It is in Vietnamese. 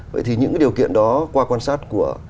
vậy thì những cái điều kiện đó qua quan sát của